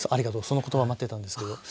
その言葉待ってたんですけど。